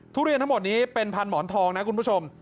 ทุเรียนทั้งหมดนี้เป็นพันหมอนทองนะคุณผู้ชม